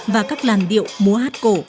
và các làn điệu múa hát cổ